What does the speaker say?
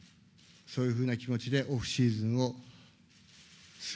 そういうふうな気持ちで、オフシ